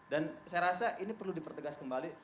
dan saya rasa ini perlu dipertegas kembali